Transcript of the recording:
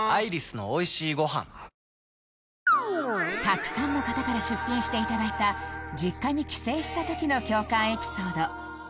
たくさんの方から出品して頂いた実家に帰省した時の共感エピソード